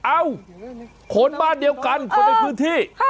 เอ้าคนบ้านเดียวกันคนในพื้นที่